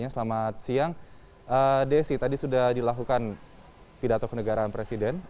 selamat siang desi tadi sudah dilakukan pidato kenegaraan presiden